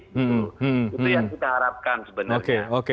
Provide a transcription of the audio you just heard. itu yang kita harapkan sebenarnya